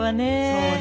そうね。